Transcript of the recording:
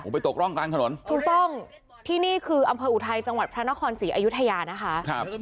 ไปตกร่องกลางถนนถูกต้องที่นี่คืออำเภออุทัยจังหวัดพระนครศรีอยุธยานะคะ